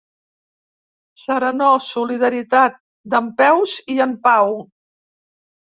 Serenor, solidaritat, dempeus i en pau!